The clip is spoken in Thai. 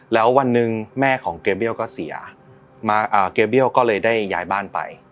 แล้ววันหนึ่งแม่ของเกเบี้ยวก็เสียเกเบี้ยวก็เลยได้ย้ายบ้านไป